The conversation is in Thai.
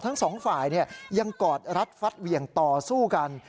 ทั้งสองฝ่ายยังกอดรัดฟัดเหวี่ยงต่อสู้กัน